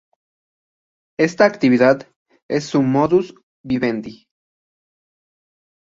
Esta actividad es su modus vivendi.